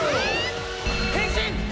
変身！